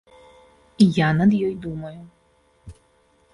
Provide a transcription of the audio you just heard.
Я над ёй думаю.